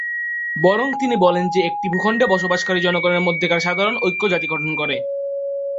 বরং তিনি বলেন যে একটি ভূখন্ডে বসবাসকারী জনগণের মধ্যেকার সাধারণ ঐক্য জাতি গঠন করে।